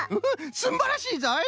すんばらしいぞい！